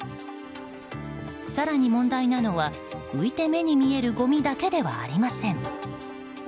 更に問題なのは浮いて目に見えるごみだけではありません。